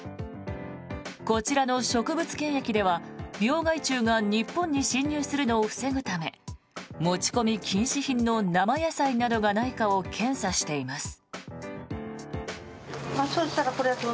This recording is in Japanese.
こちらの植物検疫では病害虫が日本に侵入するのを防ぐため持ち込み禁止品の生野菜などがないかを検査しています。